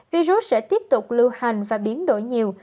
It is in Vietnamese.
virus sẽ tiếp tục lưu hành và biến đổi nhiều